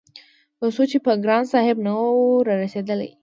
تر څو چې به ګران صاحب نه وو رارسيدلی-